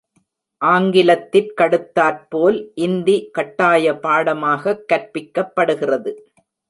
ஆங்கிலத்திற் கடுத்தாற்போல், இந்தி கட்டாய பாடமாகக் கற்பிக்கப்படுகிறது.